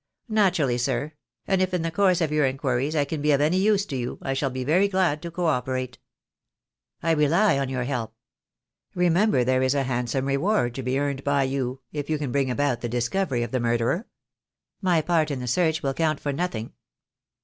"Naturally, sir; and if in the course of your in quiries I can be of any use to you, I shall be very glad to co operate." THE DAY WILL COME. I«3 "I rely on your help. Remember there is a handsome reward to be earned by you if you can bring about the discovery of the murderer. My part in the search will count for nothing."